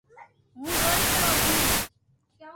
ھون دوئيترو ھون